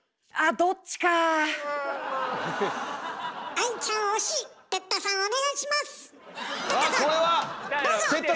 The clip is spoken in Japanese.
どうぞ！